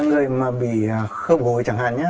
người mà bị khớp gối chẳng hạn nhé